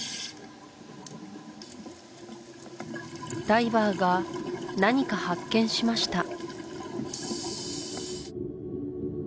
ダイバーが何か発見しました